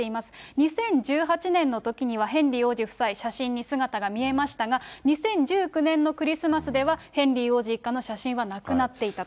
２０１８年のときにはヘンリー王子夫妻、写真に姿が見えましたが、２０１９年のクリスマスでは、ヘンリー王子一家の写真はなくなっていたと。